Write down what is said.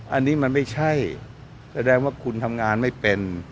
อันนี้มันไม่ใช่แสดงว่าคุณทำงานไม่เป็น